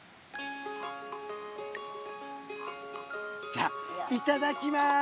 じゃあいただきます。